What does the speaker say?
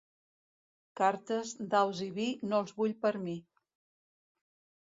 Cartes, daus i vi no els vull per mi.